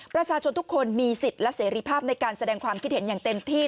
ประชาชนทุกคนมีสิทธิ์และเสรีภาพในการแสดงความคิดเห็นอย่างเต็มที่